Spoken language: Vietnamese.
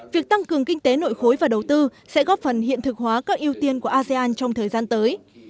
việc tăng cường kinh tế nội khối và đầu tư sẽ góp phần hiện thực hóa các ưu tiên của asean trong thời gian tới